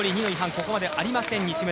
ここまでありません、西村。